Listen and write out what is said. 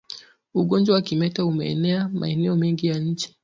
Ugonjwa wa kimeta umeenea maeneo mengi ya nchi